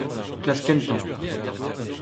klas kentañ